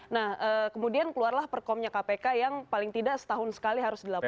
nah kemudian keluarlah perkomnya kpk yang paling tidak setahun sekali harus dilakukan